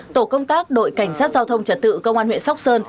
tổ công tác đội cảnh sát giao thông trật tự công an huyện sóc sơn